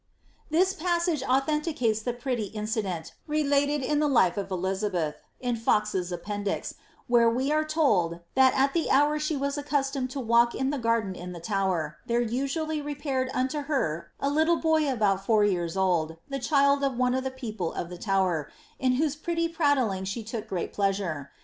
This passage authenticates the pretty incident, related in tlie life of Elizabeth, in Fox^s Appendix, where we are told, that at the hour she was accustomed to waik in the garden in the Tower, there Dsually repaired unto her a little boy about four years old, the child of one of the people of the Tuwer, in whose pretty prattling she took great pleasure.